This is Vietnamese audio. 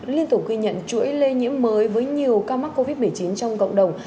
liên tục ghi nhận chuỗi lây nhiễm mới với nhiều ca mắc covid một mươi chín trong cộng đồng